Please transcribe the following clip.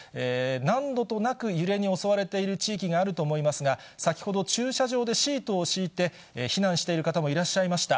何度となく揺れに襲われている地域があると思いますが、先ほど駐車場でシートを敷いて避難している方もいらっしゃいました。